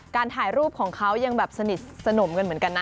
ถ่ายรูปของเขายังแบบสนิทสนมกันเหมือนกันนะ